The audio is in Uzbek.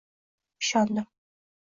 ishondim